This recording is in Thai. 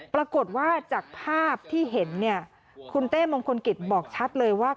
ปรากฏว่าจากภาพที่เห็นเนี่ยคุณเต้มงคลกิจบอกชัดเลยว่า